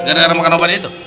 gara gara makan obat itu